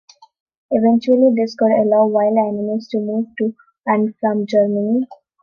Eventually this could allow wild animals to move to and from Germany.